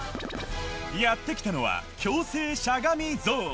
やって来たのは強制しゃがみゾーン。